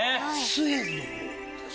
スエズの方？